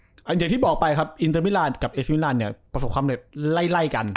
อย่างที่บอกไปครับอินเตอร์มิลานกับเอสมิลันเนี่ยประสบความเร็จไล่กัน